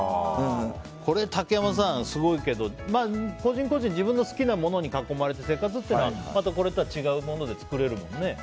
これ竹山さん、すごいけど個人個人、自分の好きなものに囲まれて生活っていうのはまたこれとは違うもので作れるもんね。